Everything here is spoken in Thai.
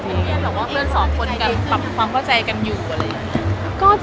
แต่ว่าเพื่อนสองคนจะปรับความเข้าใจกันอยู่อะไรอย่างนี้